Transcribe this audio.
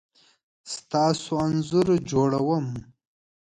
ستا انځور جوړوم .